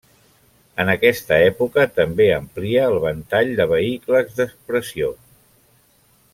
En aquesta època també amplia el ventall de vehicles d'expressió.